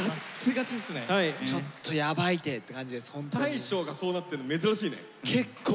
大昇がそうなってるの珍しいね。